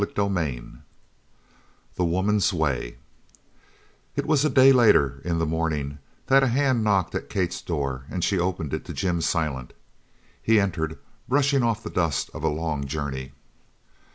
CHAPTER XXII THE WOMAN'S WAY It was a day later, in the morning, that a hand knocked at Kate's door and she opened it to Jim Silent. He entered, brushing off the dust of a long journey.